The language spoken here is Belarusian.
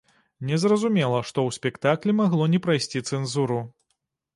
Незразумела, што ў спектаклі магло не прайсці цэнзуру.